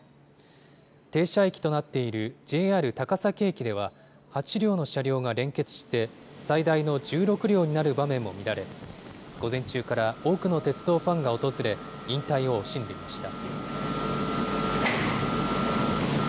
停車駅となっているＪＲ高崎駅では、８両の車両が連結して、最大の１６両になる場面も見られ、午前中から多くの鉄道ファンが訪れ、引退を惜しんでいました。